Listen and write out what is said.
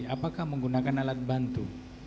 apakah menggunakan alat bantu